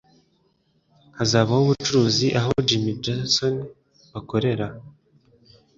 Hazabaho ubucuruzi aho Jimmy Johnson bakorera